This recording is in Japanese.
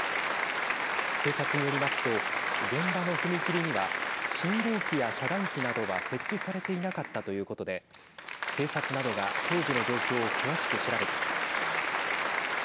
警察によりますと現場の踏切には信号機や遮断機などは設置されていなかったということで警察などが当時の状況を詳しく調べています。